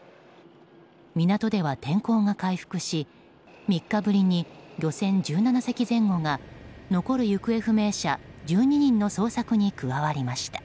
港では天候が回復し３日ぶりに漁船１７隻前後が残る行方不明者１２人の捜索に加わりました。